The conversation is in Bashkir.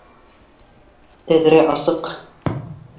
Тәҙрә асыҡ!